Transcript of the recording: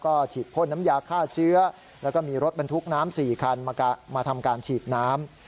ก็ฉีดพ่นน้ำยาฆ่าเชื้อแล้วก็มีรถบรรทุกน้ำ๔คันมาทำการฉีดน้ำ